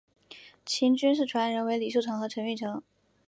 秦军事传人为李秀成与陈玉成。